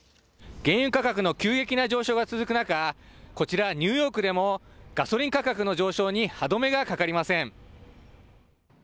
原油価格の急激な上昇が続く中、こちらニューヨークでもガソリン価格の上昇に歯止めがかかりません。